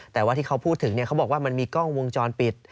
แต่ว่าที่เขาพูดถึงเขาบอกว่ามันมีกล้องวงจรปิด